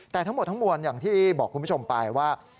แต่ทั้งหมดทั้งมวลอย่างที่บอกคุณผู้ชมไปว่า